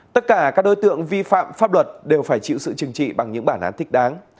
tất cả các đối tượng vi phạm pháp luật đều phải chịu sự chừng trị bằng những bản án thích đáng